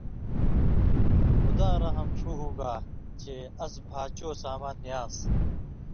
خُداں رحم ݜُو ہُوگا چے اس بھا چو سامان نی آن٘س